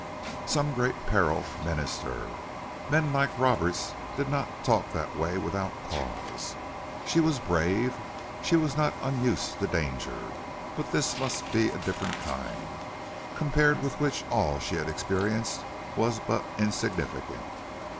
Some great peril menaced her. Men like Roberts did not talk that way without cause. She was brave; she was not unused to danger. But this must be a different kind, compared with which all she had experienced was but insignificant.